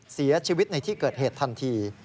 เสียชีวิตในที่เกิดเหตุทันที